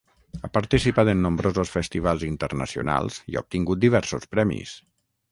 Ha participat en nombrosos festivals internacionals i ha obtingut diversos premis.